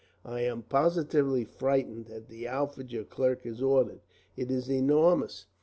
I am positively frightened at the outfit your clerk has ordered. It is enormous.